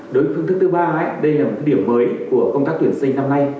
đối với phương thức thứ ba đây là một điểm mới của công tác tuyển sinh năm nay